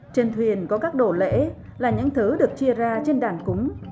trên thuyền có các đổ lễ là những thứ được chia ra trên đàn cúng